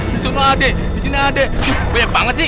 disono ada disini ada banyak banget sih